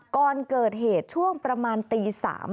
ก่อนเกิดเหตุช่วงประมาณตี๓